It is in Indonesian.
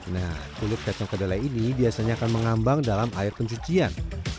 nah kulit kacang kedelai ini biasanya akan mengambang dalam air pencucian